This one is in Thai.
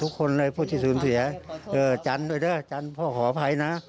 ทุกคนเลยผู้ที่สูญเสียจันทร์ด้วยเด้อจันทร์พ่อขออภัยนะ